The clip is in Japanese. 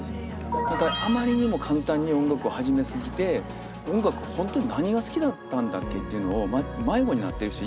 何かあまりにも簡単に音楽を始め過ぎて「音楽本当に何が好きだったんだっけ？」っていうのを迷子になってる人